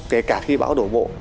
kể cả khi bão đổ bộ